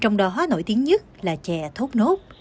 trong đó hóa nổi tiếng nhất là chè thốt nốt